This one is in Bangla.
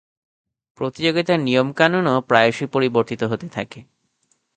প্রতিযোগিতার নিয়ম-কানুনও প্রায়শই পরিবর্তিত হতে থাকে।